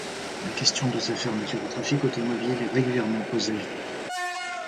La question de sa fermeture au trafic automobile est régulièrement posée.